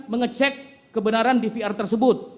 mengecek kebenaran dvr tersebut